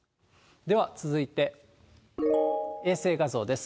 では続いて、衛星画像です。